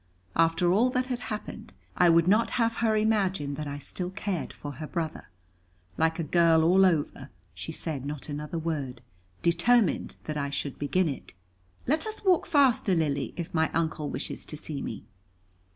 After all that had happened, I would not have her imagine that I still cared for her brother. Like a girl all over, she said not another word, determined that I should begin it. "Let us walk faster, Lily, if my Uncle wishes to see me."